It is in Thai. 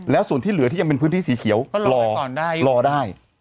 แล้วส่วนที่เหลือที่ยังเป็นพื้นที่สีเขียวรอได้